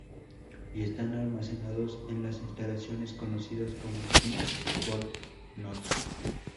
Y están almacenados en las instalaciones conocidas como Swiss Fort Knox.